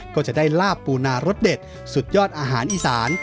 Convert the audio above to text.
ก็จะได้ลาบปูนารสเด็ดสุดยอดอาหารอีสาน